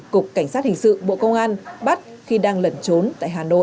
cục cảnh sát hình sự bộ công an bắt khi đang lẩn trốn tại hà nội